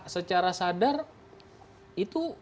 secara sadar itu